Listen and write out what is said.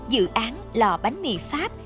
dự án lò bánh mì pháp